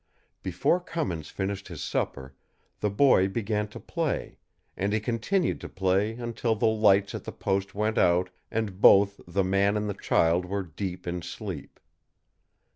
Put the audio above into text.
Before Cummins finished his supper, the boy began to play, and he continued to play until the lights at the post went out and both the man and the child were deep in sleep.